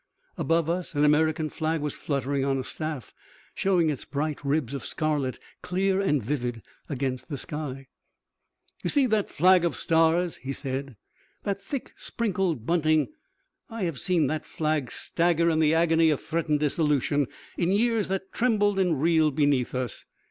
Above us an American flag was fluttering on a staff, showing its bright ribs of scarlet clear and vivid against the sky. "You see that flag of stars," he said, "that thick sprinkled bunting? I have seen that flag stagger in the agony of threatened dissolution, in years that trembled and reeled beneath us.